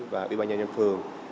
và ủy ban nhân dân phường